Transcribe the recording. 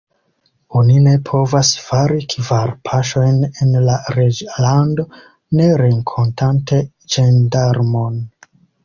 Oni ne povas fari kvar paŝojn en la reĝlando, ne renkontante ĝendarmon.